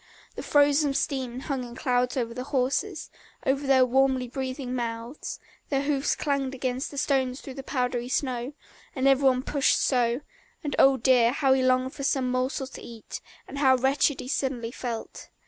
The frozen steam hung in clouds over the horses, over their warmly breathing mouths; their hoofs clanged against the stones through the powdery snow, and every one pushed so, and oh, dear, how he longed for some morsel to eat, and how wretched he suddenly felt.